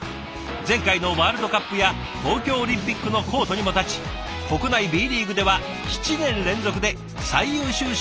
前回のワールドカップや東京オリンピックのコートにも立ち国内Ｂリーグでは７年連続で最優秀審判賞を受賞。